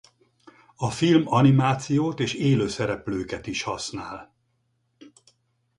A film animációt és élő szereplőket is használ.